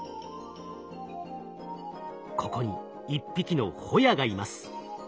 ここに１匹のホヤがいます。